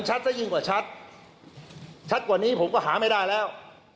ชัดกว่านี้ผมก็หาไม่ได้แล้ว